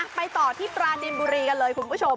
ไปต่อที่ปราจินบุรีกันเลยคุณผู้ชม